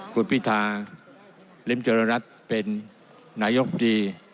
คุณพิทาลิมจรรยะรัฐเป็นนายกดี